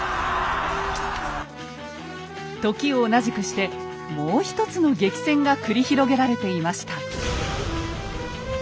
時を同じくしてもう一つの激戦が繰り広げられていました。